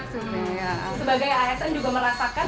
sebagai asn juga merasakan